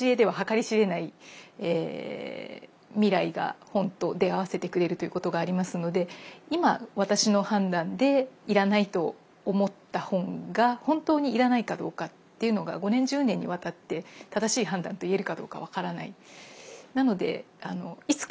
みたいなことがあったり。ということがありますので今私の判断で要らないと思った本が本当に要らないかどうかっていうのが５年１０年にわたって正しい判断と言えるかどうか分からない。